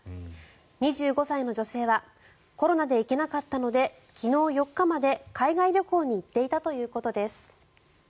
２５歳の女性はコロナで行けなかったので昨日４日まで海外旅行に行っていたということです。